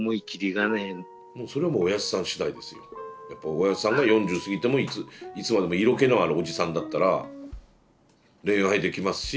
おやぢさんが４０過ぎてもいつまでも色気のあるおじさんだったら恋愛できますし。